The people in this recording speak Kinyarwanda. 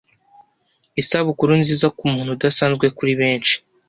isabukuru nziza kumuntu udasanzwe kuri benshi